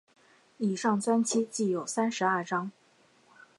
以上三期计有三十二章。